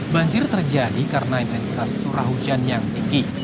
banjir terjadi karena intensitas curah hujan yang tinggi